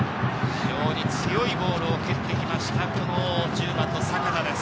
非常に強いボールを蹴ってきました、１０番の阪田です。